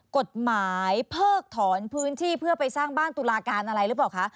กฎหมายเพิกถอนพื้นที่เพื่อไปสร้างบ้านตุลาการอะไรหรือเปล่าคะ